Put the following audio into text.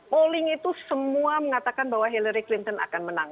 polling itu semua mengatakan bahwa hillary clinton akan menang